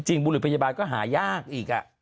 บุรุษพยาบาลก็หายากอีก